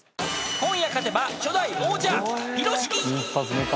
［今夜勝てば初代王者］